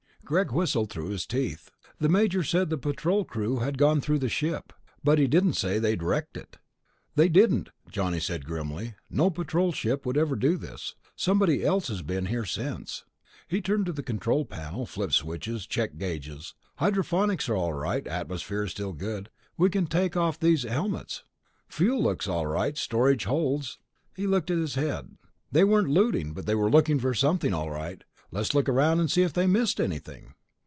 Greg whistled through his teeth. "The Major said the Patrol crew had gone through the ship ... but he didn't say they'd wrecked it." "They didn't," Johnny said grimly. "No Patrol ship would ever do this. Somebody else has been here since." He turned to the control panel, flipped switches, checked gauges. "Hydroponics are all right. Atmosphere is still good; we can take off these helmets. Fuel looks all right, storage holds ..." He shook his head. "They weren't looting, but they were looking for something, all right. Let's look around and see if they missed anything."